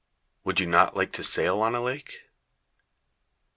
Would you not like to sail on a lake?